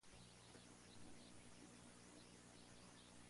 Vevo usa un sistema de gestión de artistas.